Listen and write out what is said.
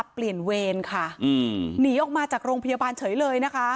เปลี่ยนเวรค่ะหนีออกมาจากโรงพยาบาลเฉยเลยนะคะ